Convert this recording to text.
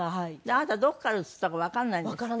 あなたどこからうつったかわかんないんですって？